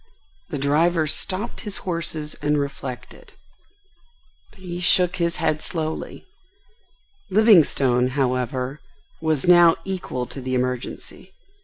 The driver stopped his horses and reflected. He shook his head slowly. Livingstone, however, was now equal to the emergency.